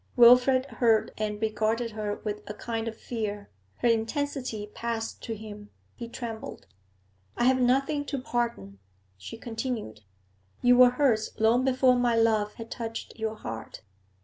Wilfrid heard and regarded her with a kind of fear; her intensity passed to him; he trembled. 'I have nothing to pardon,' she continued. 'You were hers long before my love had touched your heart.